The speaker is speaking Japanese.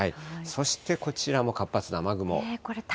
そしてこちらも活発な雨雲。